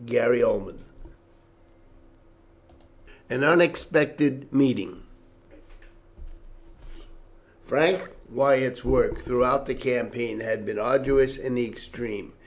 CHAPTER XVI AN UNEXPECTED MEETING Frank Wyatts's work throughout the campaign had been arduous in the extreme.